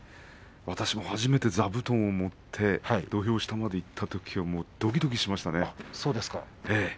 私も初めて座布団を持って土俵下に行ったときはどきどきしましたね。